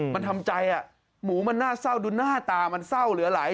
มันทำใจหมูมันน่าเศร้าดูหน้าตามันเศร้าเหลือไหล